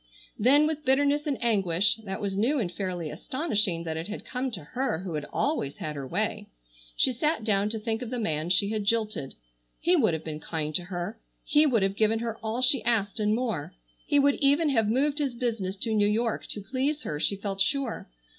Then with bitterness and anguish,—that was new and fairly astonishing that it had come to her who had always had her way,—she sat down to think of the man she had jilted. He would have been kind to her. He would have given her all she asked and more. He would even have moved his business to New York to please her, she felt sure.